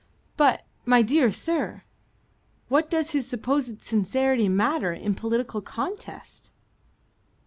"But, my dear sir, what does his supposed sincerity matter in political contest?"